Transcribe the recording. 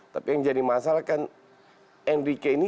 tapi yang jadi masalah kan enrique ini